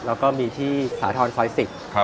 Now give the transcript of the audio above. แล้วก็มีที่สาธรณ์ฟรอยสิกส์